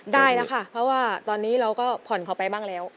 ได้แล้วค่ะเพราะว่าตอนนี้เราก็ผ่อนเขาไปบ้างแล้ว